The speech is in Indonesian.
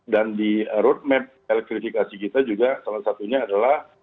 dan di roadmap elektrifikasi kita juga salah satunya adalah